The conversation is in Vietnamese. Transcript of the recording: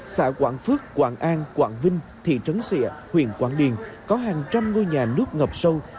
xã quảng phước quảng an quảng vinh thị trấn xịa huyện quảng điền có hàng trăm ngôi nhà nước ngập sâu